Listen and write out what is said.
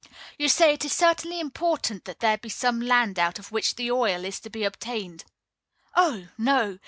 You say it is certainly important that there be some land out of which the oil is to be obtained. Oh! no.